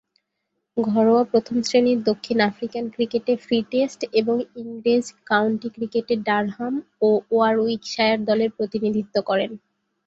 ঘরোয়া প্রথম-শ্রেণীর দক্ষিণ আফ্রিকান ক্রিকেটে ফ্রি স্টেট এবং ইংরেজ কাউন্টি ক্রিকেটে ডারহাম ও ওয়ারউইকশায়ার দলের প্রতিনিধিত্ব করেন।